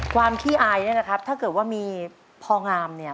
ความขี้อายนะครับถ้าเกิดว่ามีพองามเนี่ย